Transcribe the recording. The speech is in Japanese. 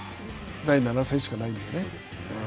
第７戦しかないんでね。